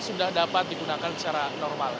sudah dapat digunakan secara normal